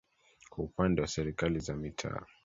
kwa upande wa Serikali za Mitaa